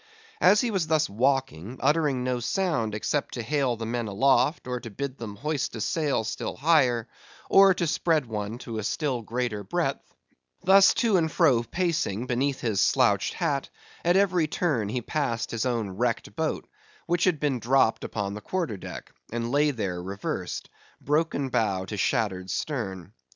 As he was thus walking, uttering no sound, except to hail the men aloft, or to bid them hoist a sail still higher, or to spread one to a still greater breadth—thus to and fro pacing, beneath his slouched hat, at every turn he passed his own wrecked boat, which had been dropped upon the quarter deck, and lay there reversed; broken bow to shattered stern.